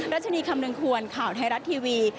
รัชนีคำนึงควรข่าวไทยรัฐทีวี